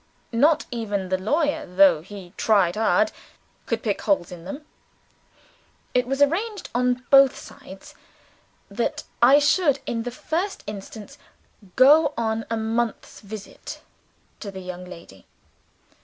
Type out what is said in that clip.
Not even the lawyer (though he tried hard) could pick holes in them. It was arranged on both sides that I should, in the first instance, go on a month's visit to the young lady.